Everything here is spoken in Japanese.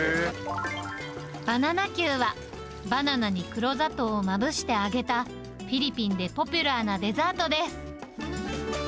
バナナキューは、バナナに黒砂糖をまぶして揚げた、フィリピンでポピュラーなデザートです。